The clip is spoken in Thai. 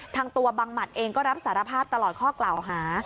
ทางตัวบังหมัดเองก็รับสารภาพตลอดข้อกล่าวหา